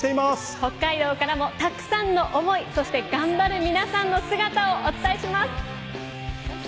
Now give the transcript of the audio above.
北海道からも、たくさんの想い、頑張る皆さんの姿をお伝えします。